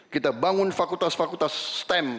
kita bangun fakultas fakultas stem